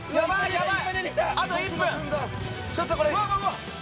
やばい！